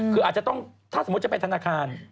คืออาจจะต้องถ้าสมมุติจะไปธนาคาร